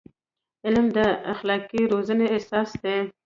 علم د اخلاقي روزنې اساس دی.